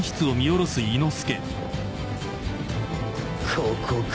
ここか。